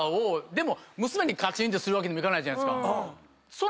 でも娘にカチンとするわけにもいかないじゃないですか。